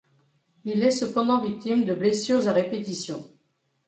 Il est cependant victime de blessures à répétition.